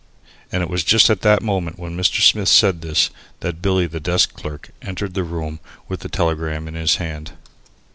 And it was just at the moment when Mr. Smith said this that Billy, the desk clerk, entered the room with the telegram in his hand.